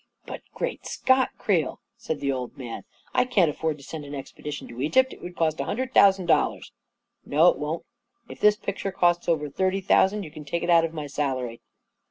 " But, great Scott, Creel," said the old man, " I } 1 8 A KING IN BABYLON can't afford to send an expedition to Egypt t '. It would cost a hundred thousand dollars." " No, it won't," said CreeL " If this picture co\ts over thirty thousand, you can take it out of riy salary.